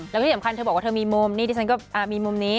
แล้วที่สำคัญเธอบอกว่าเธอมีมุมนี่ดิฉันก็มีมุมนี้